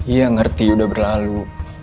iya ngerti udah berlalu